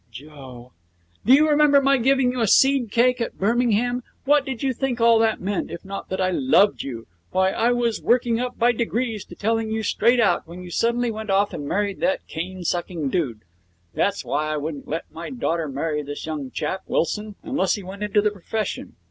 'Joe!' 'Do you remember my giving you a seed cake at Birmingham? What did you think all that meant, if not that I loved you? Why, I was working up by degrees to telling you straight out when you suddenly went off and married that cane sucking dude. That's why I wouldn't let my daughter marry this young chap, Wilson, unless he went into the profession.